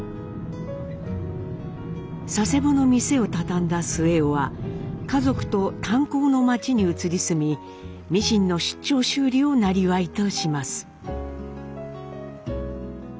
佐世保の店を畳んだ末男は家族と炭鉱の町に移り住みミシンの出張修理をなりわいとします。